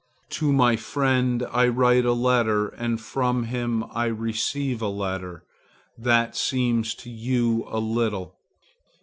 To my friend I write a letter and from him I receive a letter. That seems to you a little.